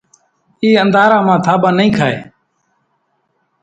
اِي انڌارا مان ٿاٻان نئي کائي